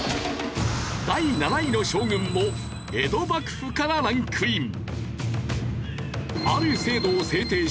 第７位の将軍も江戸幕府からランクイン。